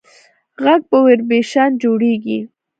غږ په ویبرېشن جوړېږي.